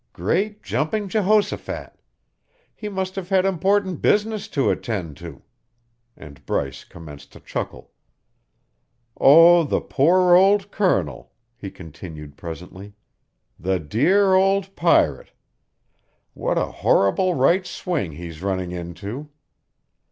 Great jumping Jehoshaphat! He must have had important business to attend to." And Bryce commenced to chuckle. "Oh, the poor old Colonel," he continued presently, "the dear old pirate! What a horrible right swing he's running into!